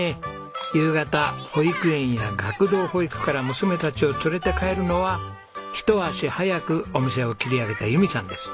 夕方保育園や学童保育から娘たちを連れて帰るのは一足早くお店を切り上げた友美さんです。